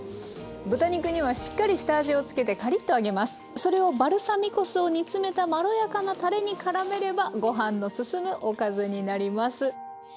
それをバルサミコ酢を煮つめたまろやかなたれにからめればご飯の進むおかずになります。